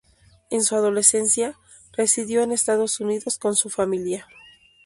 En su adolescencia, residió en Estados Unidos con su familia.